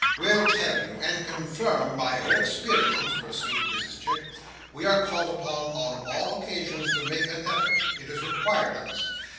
"—will tell you, and confirm by her experience," pursued Mrs Chick, "we are called upon on all occasions to make an effort It is required of us.